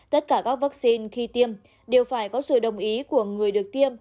tất cả các vắc xin khi tiêm đều phải có sự đồng ý của người được tiêm